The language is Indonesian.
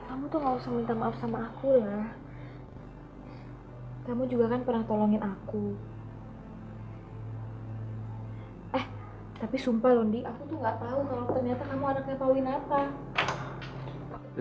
aku tuh gak tau kalau ternyata kamu anaknya pauline apa